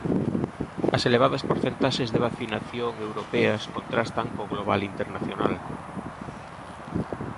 As elevadas porcentaxes de vacinación europeas contrastan co global internacional.